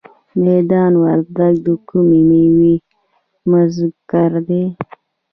میدان وردګ د کومې میوې مرکز دی؟